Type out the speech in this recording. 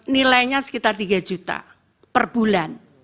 nilainya sekitar tiga juta per bulan